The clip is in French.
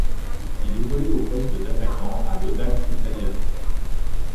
Il évolue au poste d'attaquant à l'Audax Italiano.